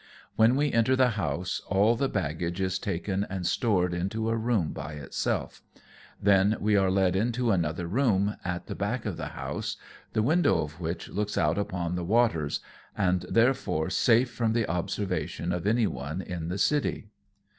When we enter the house all the baggage is taken and stored into a room by itself; then we are led into another room at the back of the house, the window of which looks out upon the waters, and therefore safe from the observation of any one in the city.